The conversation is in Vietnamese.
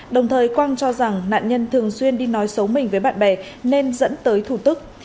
đồng thời quang cho rằng nạn nhân thường xuyên đi nói xấu mình với bạn bè nên dẫn tới thủ tức